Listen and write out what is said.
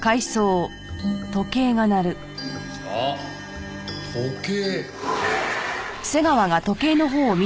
あっ時計。